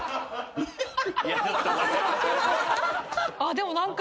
でも何か。